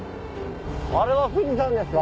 あれは富士山ですか？